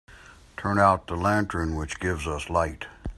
Turn out the lantern which gives us light.